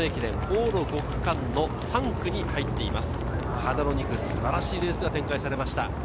花の２区、素晴らしいレースが展開されました。